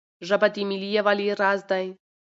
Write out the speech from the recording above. ژبه د ملي یووالي راز دی.